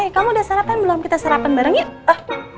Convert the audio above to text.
kamu udah sarapan belum kita sarapan bareng yuk